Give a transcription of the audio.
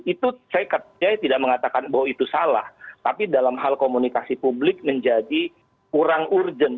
itu saya tidak mengatakan bahwa itu salah tapi dalam hal komunikasi publik menjadi kurang urgent